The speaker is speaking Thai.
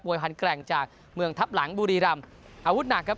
พันแกร่งจากเมืองทับหลังบุรีรำอาวุธหนักครับ